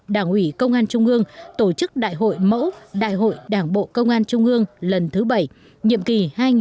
đảng ủy công an trung ương tổ chức đại hội mẫu đại hội đảng bộ công an trung ương lần thứ bảy nhiệm kỳ hai nghìn hai mươi hai nghìn hai mươi năm